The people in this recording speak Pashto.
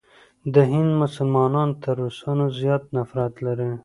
د هند مسلمانان تر روسانو زیات نفرت لري.